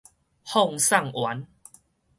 放送員